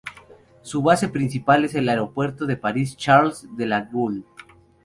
Su base principal es el Aeropuerto de París-Charles de Gaulle.